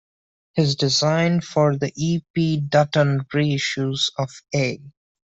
His design for the E. P. Dutton re-issues of A.